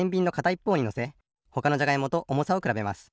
いっぽうにのせほかのじゃがいもとおもさをくらべます。